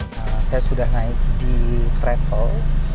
nah saya sudah naik di travel